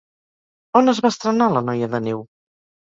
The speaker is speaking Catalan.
On es va estrenar La noia de neu?